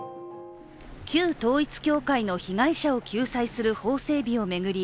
旧統一教会の被害者を救済する法整備を巡り